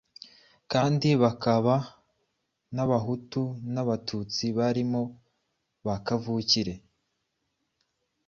kandi bakaba Abahutu n'Abatutsi barimo bakavukire.